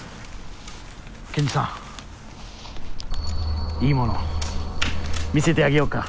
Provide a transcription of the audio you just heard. ケンジさんいいもの見せてあげようか。